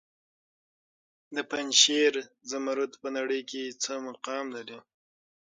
د پنجشیر زمرد په نړۍ کې څه مقام لري؟